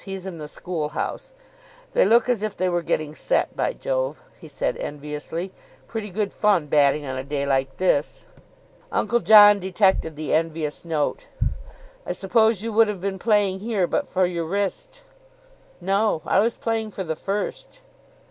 He's in the School House. They look as if they were getting set. By Jove," he said enviously, "pretty good fun batting on a day like this." Uncle John detected the envious note. "I suppose you would have been playing here but for your wrist?" "No, I was playing for the first."